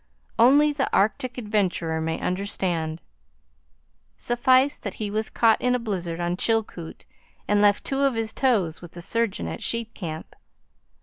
Only the Arctic adventurer may understand. Suffice that he was caught in a blizzard on Chilkoot and left two of his toes with the surgeon at Sheep Camp.